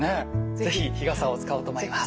是非日傘を使おうと思います。